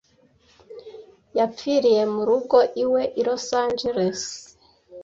yapfiriye murugo iwe i Los Angeles,